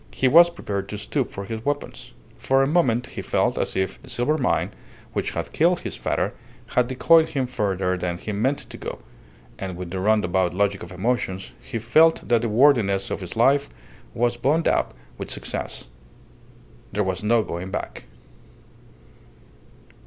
He was prepared to stoop for his weapons. For a moment he felt as if the silver mine, which had killed his father, had decoyed him further than he meant to go; and with the roundabout logic of emotions, he felt that the worthiness of his life was bound up with success. There was no going back.